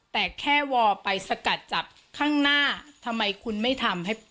แต่แค่วอลไปสกัดจับข้างหน้าทำไมคุณไม่ทำให้